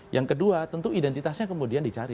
yang kedua tentu identitasnya kemudian dicari